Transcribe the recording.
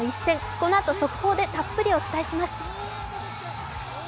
このあと速報でたっぷりお伝えします。